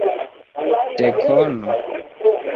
Dekono?